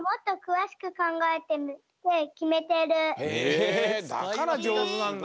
へえだからじょうずなんだ。